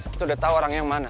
kita udah tahu orang yang mana